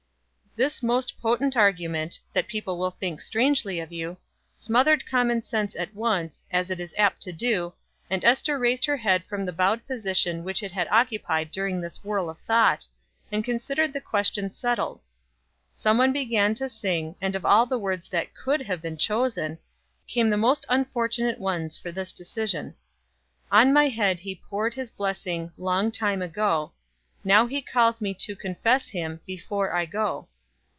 This most potent argument, "People will think strangely of you," smothered common sense at once, as it is apt to do, and Ester raised her head from the bowed position which it had occupied during this whirl of thought, and considered the question settled. Some one began to sing, and of all the words that could have been chosen, came the most unfortunate ones for this decision: "On my head he poured his blessing, Long time ago; Now he calls me to confess him Before I go.